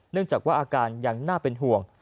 เนื่องจากว่าการยังน่าเป็นห่วง